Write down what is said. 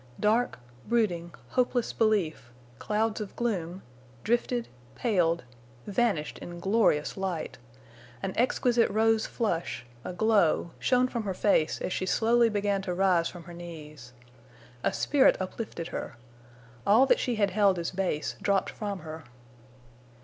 Dark, brooding, hopeless belief—clouds of gloom—drifted, paled, vanished in glorious light. An exquisite rose flush—a glow—shone from her face as she slowly began to rise from her knees. A spirit uplifted her. All that she had held as base dropped from her.